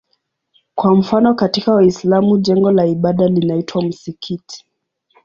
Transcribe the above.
Kwa mfano katika Uislamu jengo la ibada linaitwa msikiti.